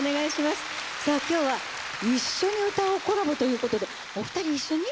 今日は一緒に歌うコラボということでお二人一緒に？